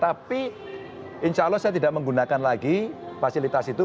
tapi insya allah saya tidak menggunakan lagi fasilitas itu